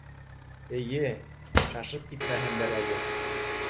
— Эйе, шашып китмәһендәр әле.